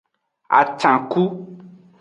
Acanku.